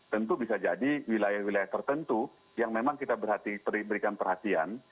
tentu bisa jadi wilayah wilayah tertentu yang memang kita berikan perhatian